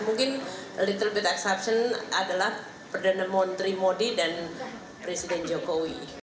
mungkin little bit exception adalah perdana menteri modi dan presiden jokowi